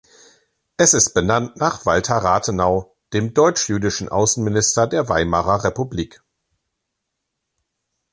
Es ist benannt nach Walther Rathenau, dem deutsch-jüdischen Außenminister der Weimarer Republik.